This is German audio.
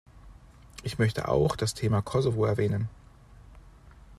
Ich möchte auch das Thema Kosovo erwähnen.